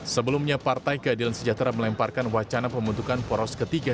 sebelumnya partai keadilan sejahtera melemparkan wacana pembentukan poros ketiga